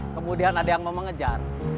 kemudian ada yang mau mengejar